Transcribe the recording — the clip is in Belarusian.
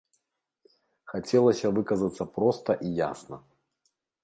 Хацелася выказацца проста і ясна.